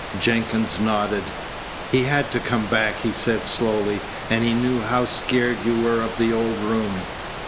Jenkins nodded. "He had to come back," he said slowly, "and he knew how scared you were of the old room."